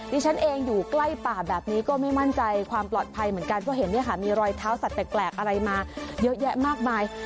ดิฉันเองอยู่ใกล้ป่าแบบนี้ก็ไม่มั่นใจความปลอดภัยเหมือนกันเพราะเห็นเนี่ยค่ะมีรอยเท้าสัตวแปลกอะไรมาเยอะแยะมากมาย